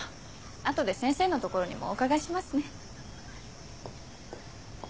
後で先生の所にもお伺いしますね。